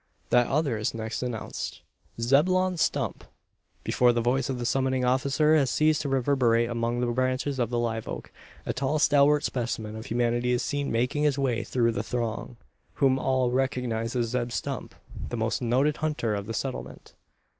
That other is next announced. "Zebulon Stump!" Before the voice of the summoning officer has ceased to reverberate among the branches of the live oak, a tall stalwart specimen of humanity is seen making his way through the throng whom all recognise as Zeb Stump, the most noted hunter of the Settlement.